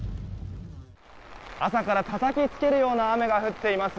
朝からたたきつけるような雨が降っています